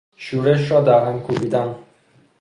شورش را در هم کوبیدن